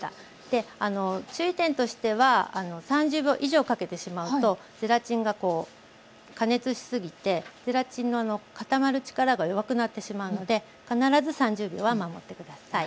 であの注意点としては３０秒以上かけてしまうとゼラチンがこう加熱しすぎてゼラチンの固まる力が弱くなってしまうので必ず３０秒は守って下さい。